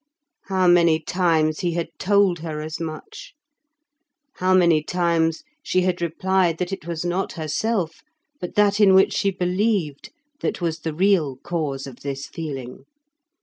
How many times he had told her as much! How many times she had replied that it was not herself, but that in which she believed, that was the real cause of this feeling!